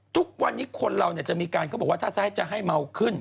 ทุกวันนี้คนเราจะมีการเขาบอกว่าถ้าจะให้เมาขึ้น